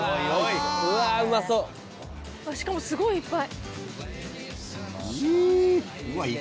しかもすごいいっぱい！